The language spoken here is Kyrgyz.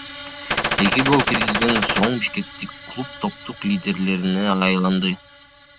Эки гол киргизген соң бишкектик клуб топтун лидерине айланды.